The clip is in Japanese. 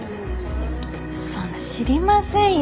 そんな知りませんよ